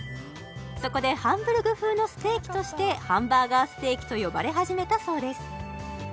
そこでハンブルグ風のステーキとしてハンバーガーステーキと呼ばれ始めたそうです